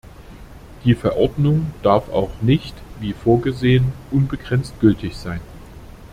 Die Verordnung darf auch nicht wie vorgesehen unbegrenzt gültig sein.